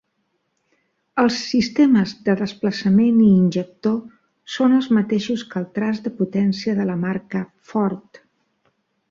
Els sistemes de desplaçament i injector són els mateixos que el traç de potència de la marca Ford.